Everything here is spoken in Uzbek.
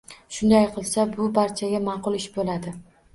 Shunday qilsa, bu barchaga ma’qul ish bo‘ladi.